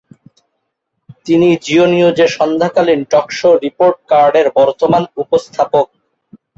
তিনি জিও নিউজে সান্ধ্যকালীন টক শো "রিপোর্ট কার্ডের" বর্তমান উপস্থাপক।